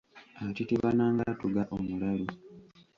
Atitibana, ng’atuga omulalu.